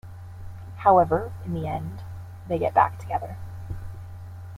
However, in the end, they get back together.